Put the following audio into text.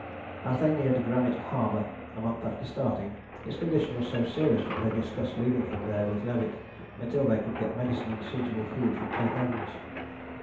As they neared Granite Harbour, a month after starting, his condition was so serious that they discussed leaving him there with Levick until they could get medicine and suitable food from Cape Evans.